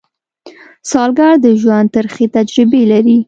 سوالګر د ژوند ترخې تجربې لري